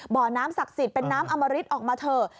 บ่อน้ำศักดิ์สิทธิ์เป็นน้ำอมริตออกมาเถอะ